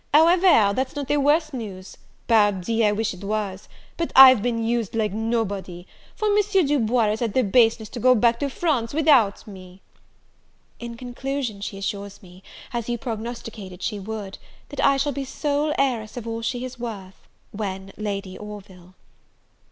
However, that's not the worst news; pardi, I wish it was! but I've been used like nobody, for Monsieur Du Bois has had the baseness to go back to France without me." In conclusion, she assures me, as you prognosticated she would, that I shall be sole heiress of all she is worth, when Lady Orville.